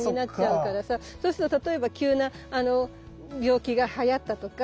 そうすると例えば急な病気がはやったとか。